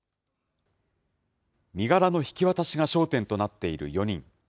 身柄の引き渡しが焦点となっている４人。